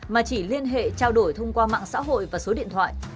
mà chỉ liên hệ trao đổi thông qua mạng xã hội và số điện thoại